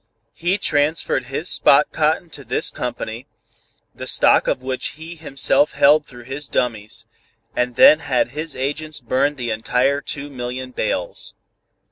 He transferred his spot cotton to this company, the stock of which he himself held through his dummies, _and then had his agents burn the entire two million bales.